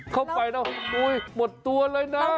เข้าไปนะโอ้ยหมดตัวเลยนะ